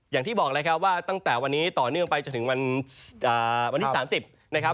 อย่างที่บอกแล้วครับว่าตั้งแต่วันนี้ต่อเนื่องไปจนถึงวันที่๓๐นะครับ